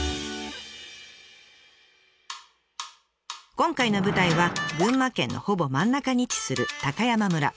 今回の舞台は群馬県のほぼ真ん中に位置する高山村。